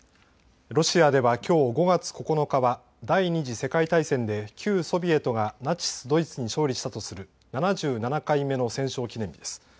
ロシアではきょう５月９日は第２次世界大戦で旧ソビエトがナチス・ドイツに勝利したとする７７回目の戦勝記念日です。